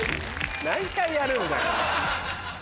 何回やるんだよ。